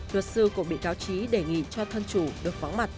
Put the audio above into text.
luật sư của bị cáo trí đề nghị cho thân chủ được vắng mặt